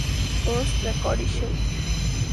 First record issue.